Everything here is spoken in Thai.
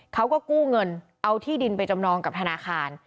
เขาก็กู้เงินเอาที่ดินไปจำนองกับธนาคาร